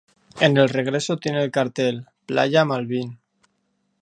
En el regreso tiene el cartel: Playa Malvín.